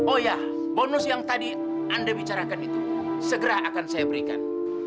oh ya bonus yang tadi anda bicarakan itu segera akan saya berikan